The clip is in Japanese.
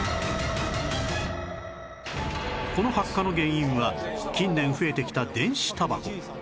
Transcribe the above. この発火の原因は近年増えてきた電子タバコ